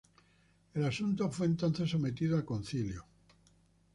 El asunto fue entonces sometido al Concilio.